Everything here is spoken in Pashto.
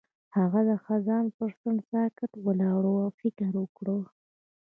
هغه د خزان پر څنډه ساکت ولاړ او فکر وکړ.